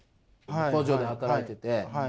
工場で働いてて。